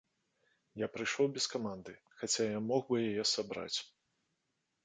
Я прыйшоў без каманды, хаця я мог бы яе сабраць.